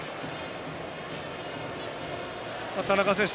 田中選手